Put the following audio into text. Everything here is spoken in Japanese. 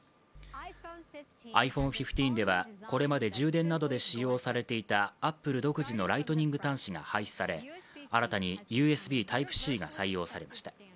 ｉＰｈｏｎｅ１５では、これまで充電などで使用されていたアップル独自のライトニング端子が廃止され、新たにＵＳＢＴｙｐｅ−Ｃが採用されました。